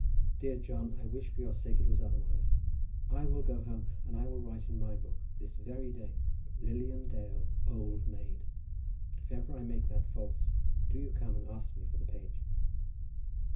Dear John, I wish for your sake it was otherwise. I will go home and I will write in my book, this very day, Lilian Dale, Old Maid. If ever I make that false, do you come and ask me for the page."